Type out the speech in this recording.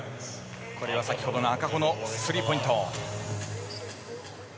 これが先ほどの赤穂のスリーポイント。